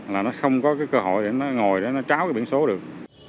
là nó không có cái cơ hội để nó ngồi để nó tráo cái biển số được